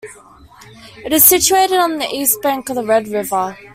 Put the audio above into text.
It is situated on the east bank of the Red River.